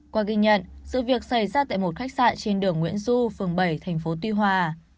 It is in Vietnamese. qua ghi nhận sự việc xảy ra tại một khách sạn trên đường nguyễn du phường bảy thành phố tuy hòa